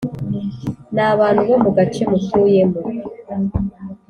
Ni abantu bo mu gace mutuyemo